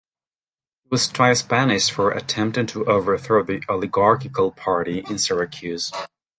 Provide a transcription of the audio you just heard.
He was twice banished for attempting to overthrow the oligarchical party in Syracuse.